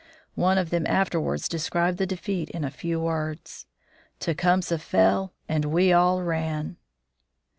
One of them afterwards described the defeat in a few words: "Tecumseh fell and we all ran."